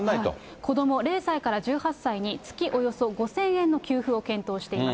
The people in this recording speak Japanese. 子ども０歳から１８歳に月およそ５０００円の給付を検討しています。